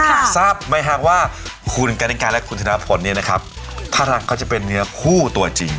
ทราบไหมฮะว่าคุณกริกาและคุณธนพลเนี่ยนะครับถ้ารักเขาจะเป็นเนื้อคู่ตัวจริง